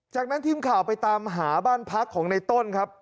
จากนั้นทีมข่าวไปตามหาบ้านพักของในต้นครับ